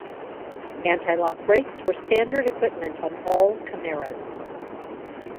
Anti-lock brakes were standard equipment on all Camaros.